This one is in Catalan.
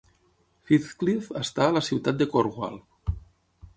Firthcliffe està a la ciutat de Cornwall.